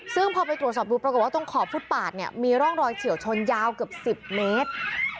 ซึ่งพอไปตรวจสอบดูปรากฏว่าตรงขอบฟุตปาดเนี่ยมีร่องรอยเฉียวชนยาวเกือบ๑๐เมตร